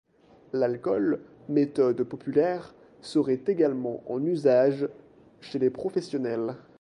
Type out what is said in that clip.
L'alcool, méthode populaire, serait également en usage chez les professionnels.